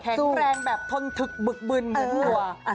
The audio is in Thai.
สู้แรงแบบทนถึกบึกบึนเหมือนตัว